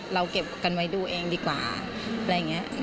เราเก็บกันไว้ดูเองดีกว่าอะไรอย่างนี้